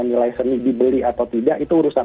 nilai seni dibeli atau tidak itu urusan